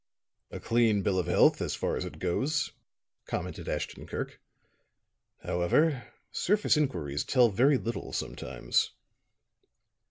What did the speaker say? "A clean bill of health, as far as it goes," commented Ashton Kirk. "However, surface inquiries tell very little, sometimes."